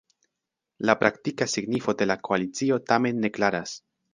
La praktika signifo de la koalicio tamen ne klaras.